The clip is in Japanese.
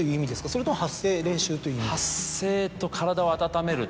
それとも発声練習という？